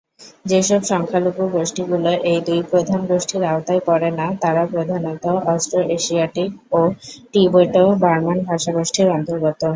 যেসব সংখ্যালঘু গোষ্ঠীগুলি এই দুই প্রধান গোষ্ঠীর আওতায় পড়ে না তারা প্রধানত অস্ট্রো-এশিয়াটিক ও টিবেটো-বার্মান ভাষাগোষ্ঠীর অন্তর্গত।